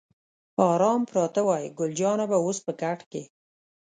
آرام پراته وای، ګل جانه به اوس په کټ کې.